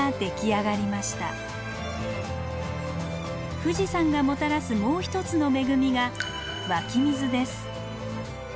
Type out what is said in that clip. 富士山がもたらすもう一つの恵みが湧き水です。